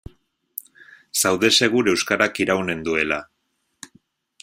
Zaude segur euskarak iraunen duela.